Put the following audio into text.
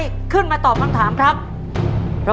คุณยายแจ้วเลือกตอบจังหวัดนครราชสีมานะครับ